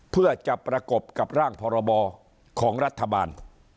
เพื่อจะประกบกับร่างพรบของรัฐบาล